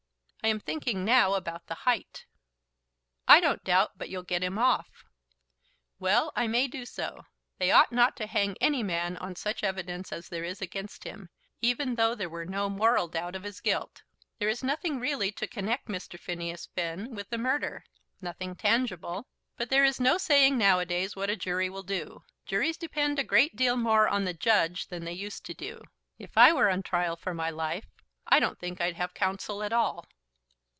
I am thinking now about the height." "I don't doubt but you'll get him off." "Well; I may do so. They ought not to hang any man on such evidence as there is against him, even though there were no moral doubt of his guilt. There is nothing really to connect Mr. Phineas Finn with the murder, nothing tangible. But there is no saying nowadays what a jury will do. Juries depend a great deal more on the judge than they used to do. If I were on trial for my life, I don't think I'd have counsel at all."